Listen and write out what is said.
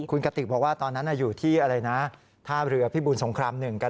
คุณกติกบอกว่าตอนนั้นอยู่ที่อะไรนะท่าเรือพิบูลสงคราม๑กัน